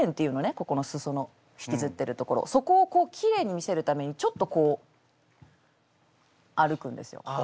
ここの裾の引きずってるところそこをこうきれいに見せるためにちょっとこう歩くんですよ。